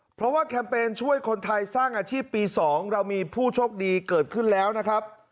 เพราะว่าแคมเปญช่วยคนไทยสร้างอาชีพปี๒เรามีผู้โชคดีเกิดขึ้นแล้วนะครับ